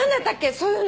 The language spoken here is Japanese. そういうの。